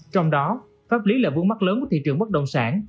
trong đó pháp lý lợi vụ mắt lớn của thị trường bất động sản